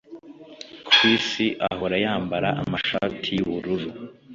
Chris ahora yambara amashati yubururu